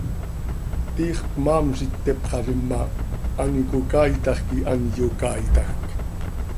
Tiix cmaam z itteepxalim ma, an icocaaitax quih an iyocaaitajc.